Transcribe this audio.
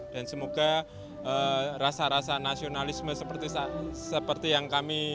dan semoga rasa rasa nasionalisme seperti yang kami tampilkan ini terus membumi di seluruh wilayah republik indonesia